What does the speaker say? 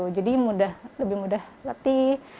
jadi lebih mudah latih